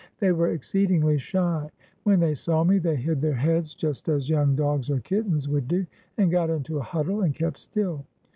They were exceedingly shy. When they saw me they hid their heads just as 412 THE VILLAGE OF DWARFS young dogs or kittens would do, and got into a huddle, and kept still.